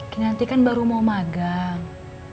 nanti kan baru mau magang